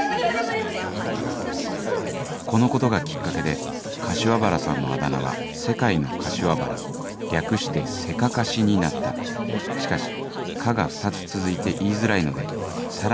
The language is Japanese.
このことがキッカケで柏原さんのあだ名は「世界の柏原」略して「セカカシ」になったしかし「カ」が２つ続いて言いづらいのでさらに略して「セカシ」で落ち着いた